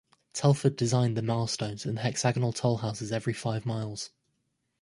Telford designed the milestones and the hexagonal toll houses every five miles.